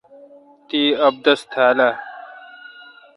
تی ابدس تھال اہ؟